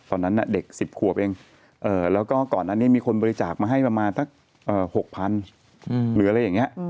ตอนนั้นเด็ก๑๐ขวบเองแล้วก็ก่อนอันนี้มีคนบริจาคมาให้ประมาณสัก๖๐๐๐หรืออะไรอย่างนี้